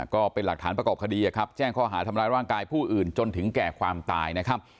ก็เป็นหลักฐานประกอบคดีครับแจ้งข้อหาทำร้ายร่างกายผู้อื่นจนถึงแก่ความตายนะครับ